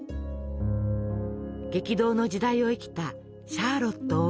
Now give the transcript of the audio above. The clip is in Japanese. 激動の時代を生きたシャーロット王妃。